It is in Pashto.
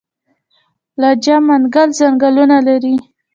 لجه منګل ځنګلونه لري؟